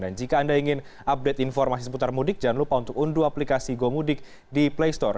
dan jika anda ingin update informasi seputar mudik jangan lupa untuk unduh aplikasi gomudik di playstore